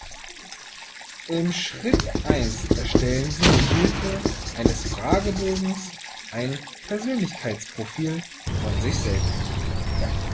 In Schritt eins erstellen Sie mithilfe eines Fragebogens ein Persönlichkeitsprofil von sich selbst.